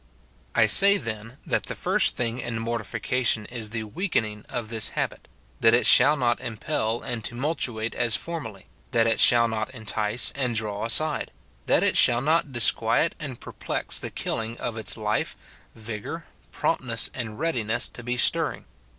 I say, then, that the first thing in mortification is the weakening of this habit, that it shall not impel and tumultuate as formerly ; that it shall not entice and draw aside ; that it shall not disquiet and perplex the killing of its life, vigour, promptness, and readiness to be stirring.